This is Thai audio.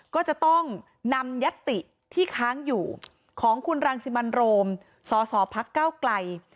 ก็จะต้องนำยัตติที่ค้างอยู่ของคุณรังสิมันโรมสสพักเก้าไกล